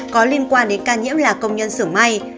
có liên quan đến ca nhiễm là công nhân xưởng may